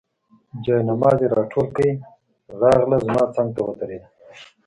جاینماز یې راټول کړ، راغله زما څنګ ته ودرېده.